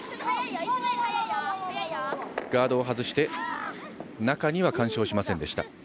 ガードを外して中には干渉しませんでした。